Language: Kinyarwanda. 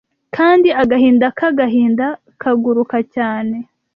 Kandi agahinda k'agahinda kaguruka cyane,